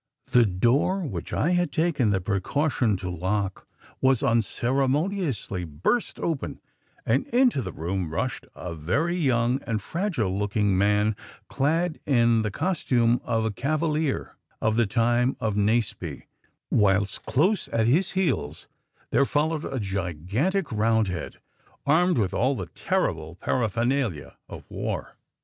"The door (which I had taken the precaution to lock) was unceremoniously burst open, and into the room rushed a very young and fragile looking man clad in the costume of a Cavalier of the time of Naseby, whilst close at his heels there followed a gigantic Roundhead armed with all the terrible paraphernalia of war.